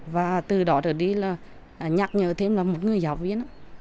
và từ đó tới đây là nhắc nhở thêm là một người giáo viên cũng cố gắng hết sức